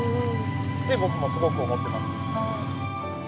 って僕もすごく思ってます。